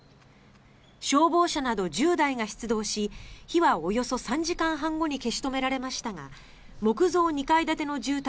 消防車など１０台が出動し火はおよそ３時間半後に消し止められましたが木造２階建ての住宅